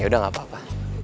yaudah nggak apa apa